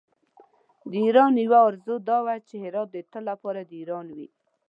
د ایران یوه آرزو دا وه چې هرات د تل لپاره د ایران وي.